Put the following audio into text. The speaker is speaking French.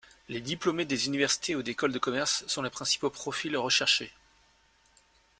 Les diplômés des universités ou d'écoles de commerce sont les principaux profils recherchés.